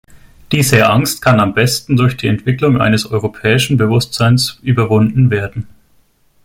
Diese Angst kann am besten durch die Entwicklung eines europäischen Bewusstseins überwunden werden.